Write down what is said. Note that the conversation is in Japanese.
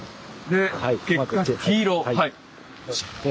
で結果黄色はい。